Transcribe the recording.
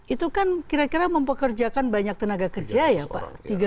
itu kan kira kira mempekerjakan banyak tenaga kerja ya pak